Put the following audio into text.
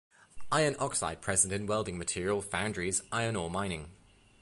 Iron oxide present in welding material, foundries, iron ore mining.